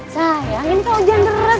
sayang ini kan hujan deres